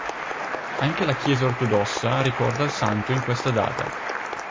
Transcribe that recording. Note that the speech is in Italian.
Anche la Chiesa ortodossa ricorda il santo in questa data.